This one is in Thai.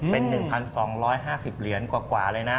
เป็น๑๒๕๐เหรียญกว่าเลยนะ